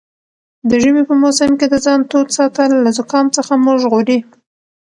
د ژمي په موسم کې د ځان تود ساتل له زکام څخه مو ژغوري.